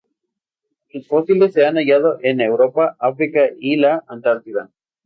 Sus fósiles se han hallado en Europa, África y la Antártida.